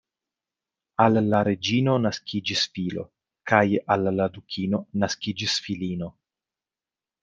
Al la reĝino naskiĝis filo kaj al la dukino naskiĝis filino.